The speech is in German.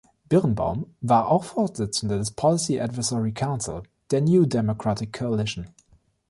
Birnbaum war auch Vorsitzender des „Policy Advisory Council“ der „New Democratic Coalition“.